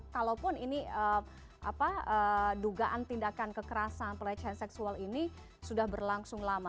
kalaupun ini dugaan tindakan kekerasan pelecehan seksual ini sudah berlangsung lama